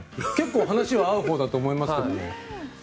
結構、話は合うほうだと思いますけど。